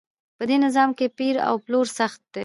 په دې نظام کې پیر او پلور سخت و.